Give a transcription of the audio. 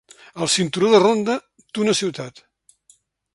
El cinturó de ronda d'una ciutat.